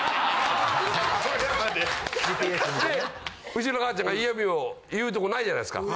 ウチの母ちゃんが嫌味を言うとこないじゃないですか。